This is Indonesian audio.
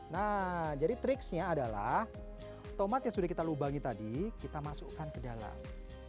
nah jadi triksnya adalah tomat yang sudah kita lubangi tadi kita masukkan ke dalam